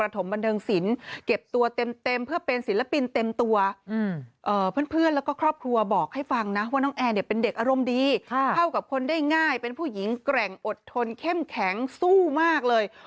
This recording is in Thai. ทนได้ง่ายเป็นผู้หญิงแกร่งอดทนเข้มแข็งสู้มากเลย